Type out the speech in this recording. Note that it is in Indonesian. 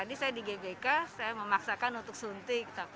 jadi saya lari ke hang jebat